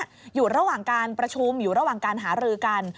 อยู่ระหว่างการประชุมอยู่ระหว่างการหารือกัน